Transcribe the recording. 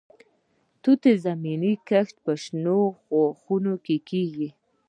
د توت زمینی کښت په شنو خونو کې کیږي.